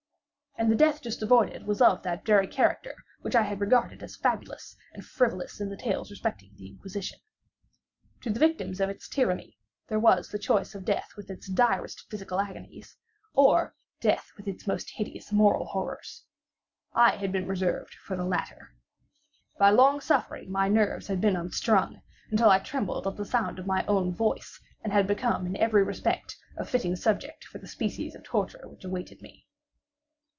And the death just avoided, was of that very character which I had regarded as fabulous and frivolous in the tales respecting the Inquisition. To the victims of its tyranny, there was the choice of death with its direst physical agonies, or death with its most hideous moral horrors. I had been reserved for the latter. By long suffering my nerves had been unstrung, until I trembled at the sound of my own voice, and had become in every respect a fitting subject for the species of torture which awaited me.